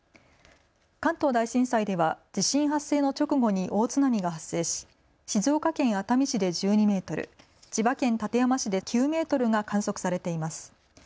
関東大震災では地震発生の直後に大津波が発生し静岡県熱海市で１２メートル、千葉県館山市で９メートルが観測されています。